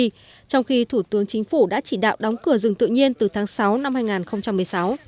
trong khi thủ tướng chính phủ đã chỉ đạo đóng cửa rừng tự nhiên từ tháng sáu năm hai nghìn một mươi sáu